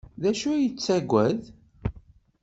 D acu ay yettaggad?